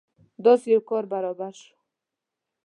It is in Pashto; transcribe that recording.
داسې یو کار برابر شو.